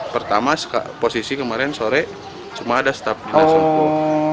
pertama posisi kemarin sore cuma ada staff dinas pekerjaan umum